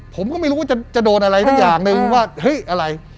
ผมก็ไม่รู้ว่าจะโดนอะไรสักอย่างหนึ่งว่าเฮ้ยอะไร